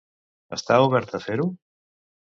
Està obert a fer-ho?